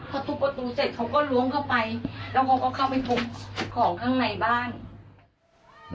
พอทุบประตูเสร็จเขาก็ล้วงเข้าไปแล้วเขาก็เข้าไปทุบของข้างในบ้าน